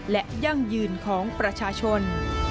และยั่งยืนของประชาชน